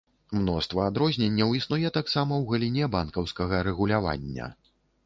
Мноства адрозненняў існуе таксама ў галіне банкаўскага рэгулявання.